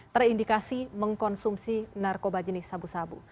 terindikasi mengkonsumsi narkoba jenis sabu sabu